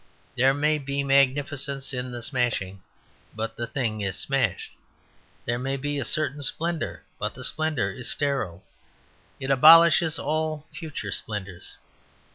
There may be magnificence in the smashing; but the thing is smashed. There may be a certain splendour; but the splendour is sterile: it abolishes all future splendours.